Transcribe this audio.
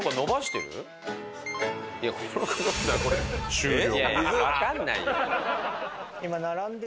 終了。